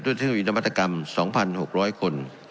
ที่เป็นอินวัฒนากรรม๒๖๐๐คน